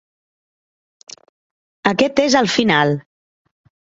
Aquest és el final.